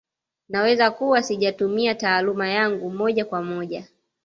Naweza kuwa sijatumia taaluma yangu moja kwa moja